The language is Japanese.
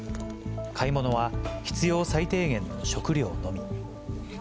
買い物は、必要最低限の食料のみ。